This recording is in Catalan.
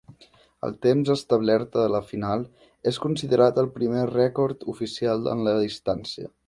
El temps establert a la final és considerat el primer rècord oficial en la distància.